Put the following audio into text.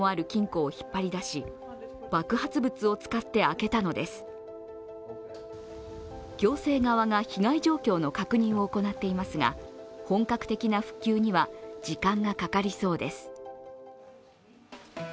行政側が被害状況の確認を行っていますが、本格的な復旧には時間がかかりそうです。